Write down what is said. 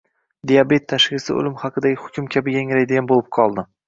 “Diabet” tashxisi o‘lim haqidagi hukm kabi yangraydigan bo‘lib qoldi